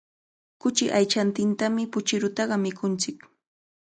Kuchi aychantintami puchirutaqa mikunchik.